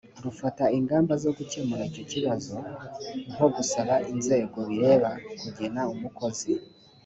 rufata ingamba zo gukemura icyo kibazo nko gusaba inzego bireba kugena umukozi